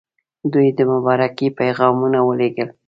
دوی د مبارکۍ پیغامونه ولېږل.